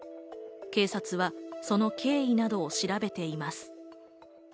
警察はその経緯などを調べています。